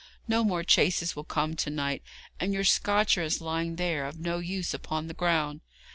No more chaises will come to night, and your scotcher is lying there, of no use, upon the ground.